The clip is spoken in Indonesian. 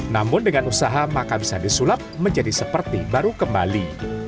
namun dengan usaha maka bisa disulap menjadi seperti baru kembali